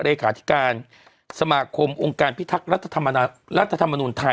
เลขาธิการสมาคมองค์การพิทักษ์รัฐธรรมนุนไทย